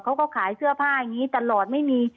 เขาก็ขายเสื้อผ้าอย่างนี้ตลอดไม่มี